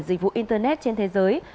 dịch vụ internet trên thế giới